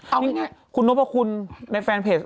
เอาง่ายคุณโน้ทบอกคุณในแฟนเพจ